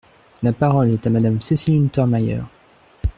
La parole est à Madame Cécile Untermaier.